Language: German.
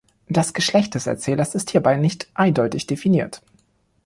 Das Geschlecht des Erzählers ist hierbei nicht eindeutig definiert.